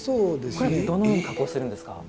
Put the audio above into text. これはどのように加工するんですか？